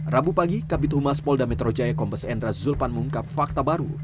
rabu pagi kabit humas polda metro jaya kombes endra zulpan mengungkap fakta baru